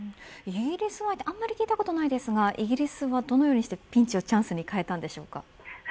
イギリスはあんまり聞いたことないですがイギリスはどのようにしてピンチをチャンスに変えたんでしょうか。